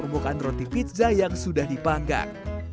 kemudian dikukukan roti pizza yang sudah dipanggang